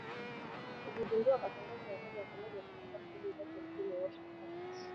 ilizindua matangazo ya moja kwa moja kutoka studio zake mjini Washington